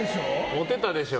モテたでしょう。